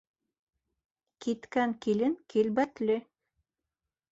Киткән килен килбәтле.